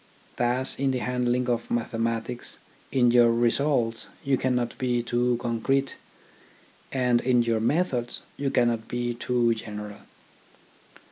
Thus in the handling of mathematics in your results you cannot be too concrete, and in your methods you cannot be too general.